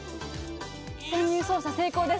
潜入捜査成功です。